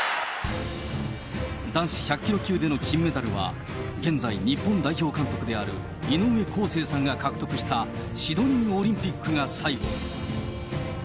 男子１００キロ級での金メダルは、現在、日本代表監督である井上康生さんが獲得した、シドニーオリンピックが最後。